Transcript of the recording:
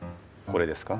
これですか？